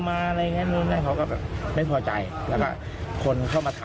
ผมหมี่ไม่มีรัมณพี่